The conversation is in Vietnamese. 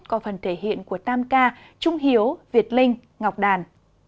có phần thể hiện của tam ca trung hiếu việt linh ngọc đàn